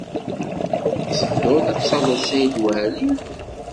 I tedduḍ ad talleḍ Saɛid Waɛli?